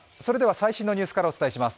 最新のニュースからお伝えします。